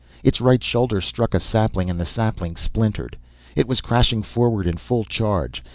Its right shoulder struck a sapling and the sapling splintered. It was crashing forward in full charge.